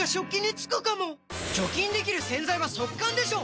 除菌できる洗剤は速乾でしょ！